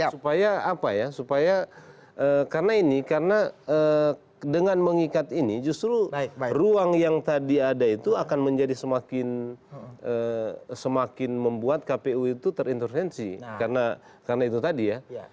supaya apa ya supaya karena ini karena dengan mengikat ini justru ruang yang tadi ada itu akan menjadi semakin membuat kpu itu terintervensi karena itu tadi ya